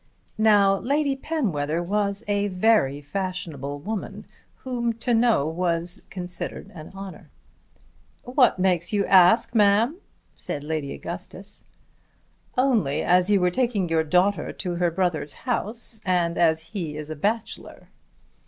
Now Lady Penwether was a very fashionable woman whom to know was considered an honour. "What makes you ask, ma'am?" said Lady Augustus. "Only as you were taking your daughter to her brother's house, and as he is a bachelor."